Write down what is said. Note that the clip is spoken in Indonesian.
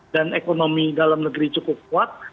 dan ekonomi dalam negeri cukup kuat